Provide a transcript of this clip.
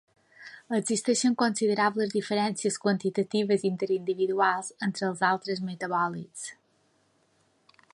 Existeixen considerables diferències quantitatives interindividuals entre els altres metabòlits.